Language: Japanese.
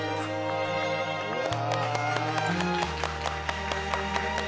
うわ。